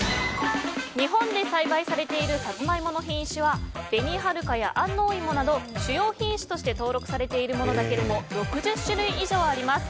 日本で栽培されているさつまいもの品種は紅はるかや安納芋など主要品種として登録されているものだけでも６０種類以上あります。